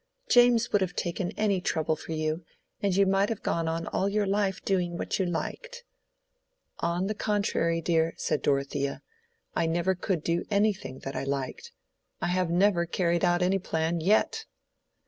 James would have taken any trouble for you, and you might have gone on all your life doing what you liked." "On the contrary, dear," said Dorothea, "I never could do anything that I liked. I have never carried out any plan yet."